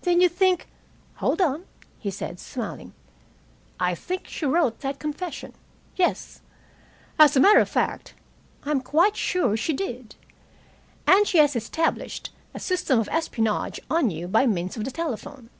"Then you think " "Hold on," he said smiling. "I think she wrote that confession. Yes. As a matter of fact, I'm quite sure she did. And she has established a system of espionage on you by means of the telephone.